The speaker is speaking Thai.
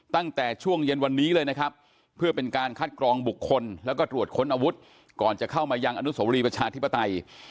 ตั้งแต่ช่วงเย็นวันนี้เลยนะครับเพื่อเป็นการคัดกรองบุคคลแล้วก็ตรวจค้นอาวุธก่อนจะเข้ามายังอนุสวรีประชาธิปไตย